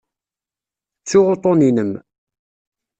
Ttuɣ uṭṭun-inem.